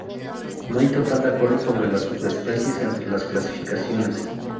No hay total acuerdo sobre las subespecies entre las clasificaciones.